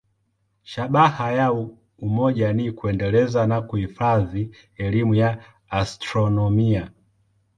Shabaha ya umoja ni kuendeleza na kuhifadhi elimu ya astronomia.